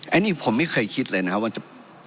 อันนี้ผมไม่เคยคิดเลยนะครับว่าจะ